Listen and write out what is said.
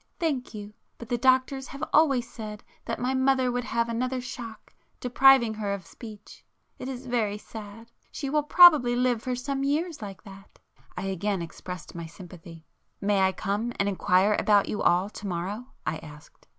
"Thank you. But the doctors have always said that my mother would have another shock depriving her of speech. It is very sad; she will probably live for some years like that." I again expressed my sympathy. "May I come and inquire about you all to morrow?" I asked.